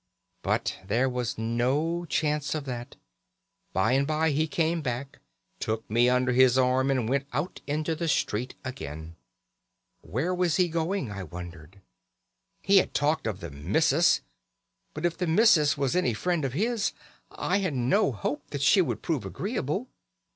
But there was no chance of that; by and by he came back, took me under his arm and went out into the street again. Where was he going, I wondered. He had talked of the missus, but if the missus was any friend of his I had no hope that she would prove agreeable.